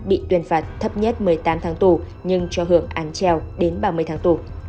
bị tuyên phạt thấp nhất một mươi tám tháng tù nhưng cho hưởng án treo đến ba mươi tháng tù